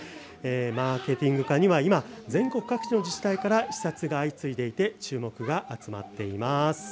マーケティング課には今、全国各地の自治体から視察が相次いでいて注目が集まっています。